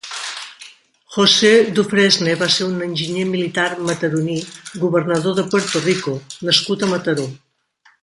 José Dufresne va ser un enginyer militar mataroní, governador de Puerto Rico nascut a Mataró.